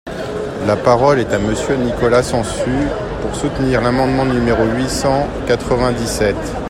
La parole est à Monsieur Nicolas Sansu, pour soutenir l’amendement numéro huit cent quatre-vingt-dix-sept.